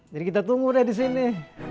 jadi kita tunggu deh di sini